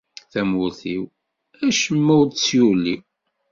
Tamurt-iw, acemma ur tt-yuli.